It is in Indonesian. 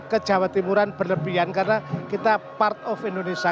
ke jawa timuran berlebihan karena kita part of indonesia